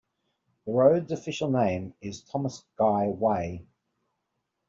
The road's official name is Thomas Guy Way.